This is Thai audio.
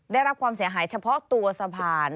ได้รับความเสียหายเฉพาะตัวสะพาน